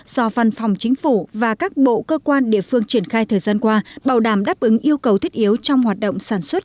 do văn phòng chính phủ và các bộ cơ quan địa phương triển khai thời gian qua bảo đảm đáp ứng yêu cầu thiết yếu trong hoạt động sản xuất